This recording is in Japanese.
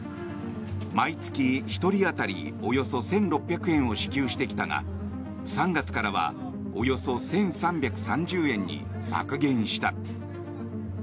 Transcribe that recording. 毎月１人当たりおよそ１６００円を支給してきたが３月からはおよそ１３３０円に削減した。